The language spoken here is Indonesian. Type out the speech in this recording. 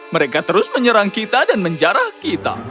mereka terus menyerang kita dan menjarah kita